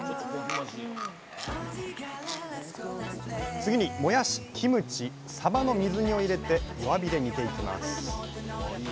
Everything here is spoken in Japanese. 次にもやしキムチさばの水煮を入れて弱火で煮ていきます